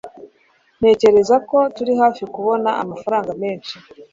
Ntekereza ko turi hafi kubona amafaranga menshi.